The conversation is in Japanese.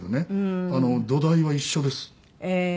土台は一緒です。